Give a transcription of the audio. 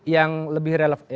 yang lebih relevan